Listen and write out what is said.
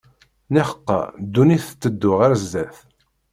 Niḥeqqa ddunit tetteddu ɣer zzat.